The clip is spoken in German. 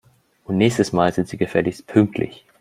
Und nächstes Mal sind Sie gefälligst pünktlich!